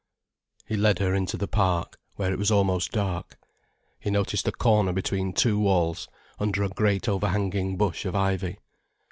He led her into the Park, where it was almost dark. He noticed a corner between two walls, under a great overhanging bush of ivy.